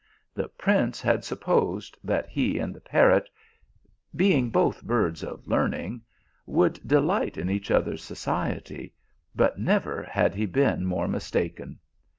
The prince had supposed that he and the parrot, being both birds of learning, could delight in each other s society, but never had he been more mistaken.